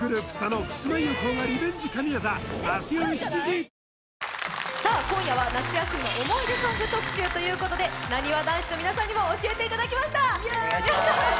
毎日コツコツからだのこと今夜は夏休みの思い出ソング特集ということでなにわ男子の皆さんにも教えていただきました